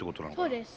そうです。